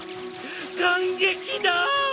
感激だ！